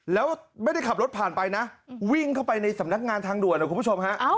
แล้วไม่ได้ขับรถผ่านไปนะวิ่งเข้าไปในสำนักงานทางด่วนนะคุณผู้ชมฮะ